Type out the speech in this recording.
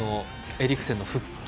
エリクセンの復帰。